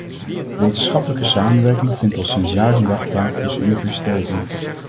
Wetenschappelijke samenwerking vindt al sinds jaar en dag plaats tussen universiteiten.